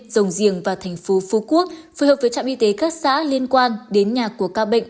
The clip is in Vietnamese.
rồng giềng và thành phố phú quốc phù hợp với trạm y tế các xã liên quan đến nhà của ca bệnh